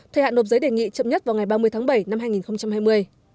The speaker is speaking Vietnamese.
thời hạn nộp giấy đề nghị chậm nhất vào ngày ba mươi tháng bảy năm hai nghìn hai mươi